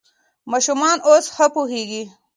ماشومان اوس ښه پوهېږي.